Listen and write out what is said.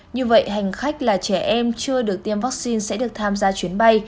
như vậy hành khách là trẻ em chưa được tiêm vaccine sẽ được tham gia chuyến bay